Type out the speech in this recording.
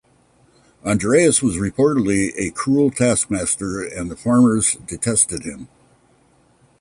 Andreas was reportedly a cruel taskmaster, and the farmers detested him.